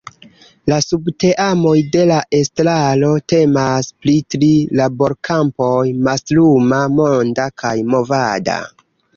La subteamoj de la estraro temas pri tri laborkampoj, mastruma, monda kaj movada.